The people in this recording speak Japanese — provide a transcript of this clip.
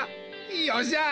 よっしゃ！